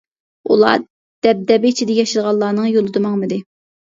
ئۇلار دەبدەبە ئىچىدە ياشىغانلارنىڭ يولىدا ماڭمىدى.